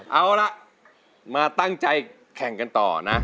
เอาล่ะมาตั้งใจแข่งกันต่อนะ